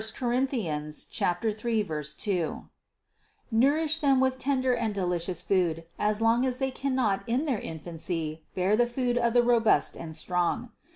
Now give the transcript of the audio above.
Cor. 3, 2), nourish them with tender and delicious food as long as they cannot in their infancy bear the food of the robust and strong.